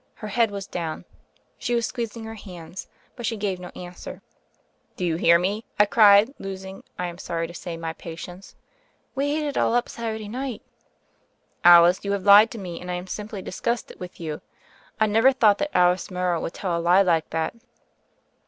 Het head was down ; she was squeezing her hands, but she gave no answer. *'Do you hear me?" I cried, losing, I am sorry to say, my patience. "We ate it all up Saturday night." "Alice, you have lied to me, and I am simply disgusted with you. I never thought that Alice Morrow would tell a lie like that."